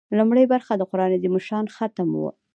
لومړۍ برخه د قران عظیم الشان ختم و.